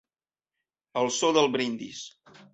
El so del brindis.